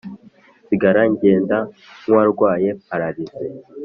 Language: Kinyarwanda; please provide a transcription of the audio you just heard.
nsigara ngenda nk` uwarwaye palarise,